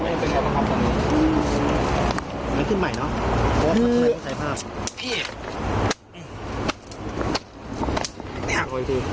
งั้นขึ้นใหม่เนาะ